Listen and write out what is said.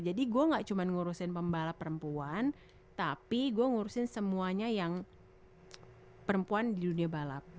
jadi gue nggak cuma ngurusin pembalap perempuan tapi gue ngurusin semuanya yang perempuan di dunia balap